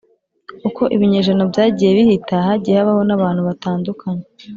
uko ibinyejana byagiye bihita, hagiye habaho n’abantu batandukany